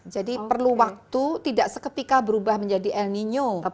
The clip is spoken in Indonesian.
jadi perlu waktu tidak sekepika berubah menjadi el nino